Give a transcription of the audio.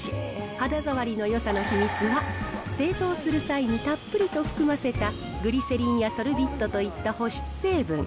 肌触りのよさの秘密は、製造する際にたっぷりと含ませたグリセリンやソルビットといった保湿成分。